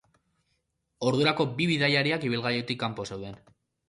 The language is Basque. Ordurako bi bidaiariak ibilgailutik kanpo zeuden.